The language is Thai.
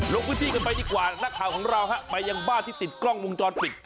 ลงพื้นที่กันไปดีกว่านักข่าวของเราไปยังบ้านที่ติดกล้องวงจรปิด